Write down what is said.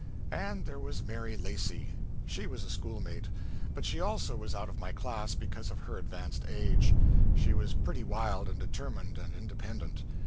And there was Mary Lacy. She was a schoolmate. But she also was out of my class because of her advanced age. She was pretty wild and determined and independent.